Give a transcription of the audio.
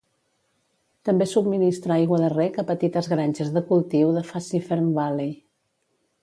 També subministra aigua de rec a petites granges de cultiu de Fassifern Valley.